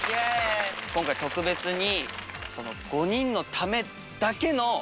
今回特別に。